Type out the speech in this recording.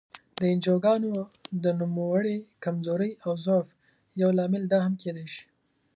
د انجوګانو د نوموړې کمزورۍ او ضعف یو لامل دا هم کېدای شي.